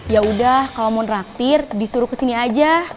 yaudah kalau mau ngerang tir disuruh kesini aja